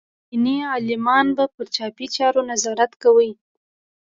دیني عالمان به پر چاپي چارو نظارت کوي.